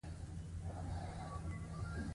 محافظه کار حکومت واګې په لاس کې لرلې.